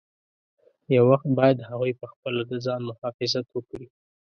یو وخت باید هغوی پخپله د ځان مخافظت وکړي.